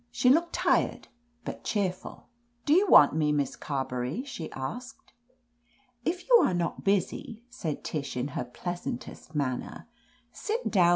She looked tired, but cheerful. "Do you want me. Miss Carberry?" she asked. "If you are not busy, said Tish in her pleas antest manner. "Sit down.